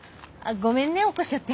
ごめんね起こしちゃって。